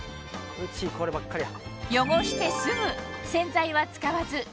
うちこればっかりや。